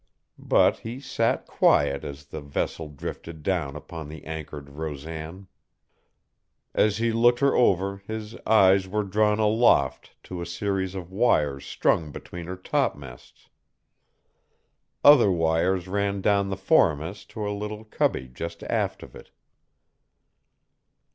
But he sat quiet as the vessel drifted down upon the anchored Rosan. As he looked her over his eyes were drawn aloft to a series of wires strung between her topmasts. Other wires ran down the foremast to a little cubby just aft of it.